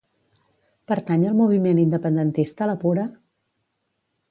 Pertany al moviment independentista la Pura?